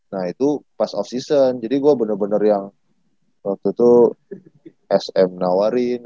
nah itu pas off season jadi gua bener bener yang waktu itu sm nawarin